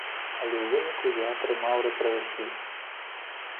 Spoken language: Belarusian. Але ў выніку я атрымаў рэпрэсіі.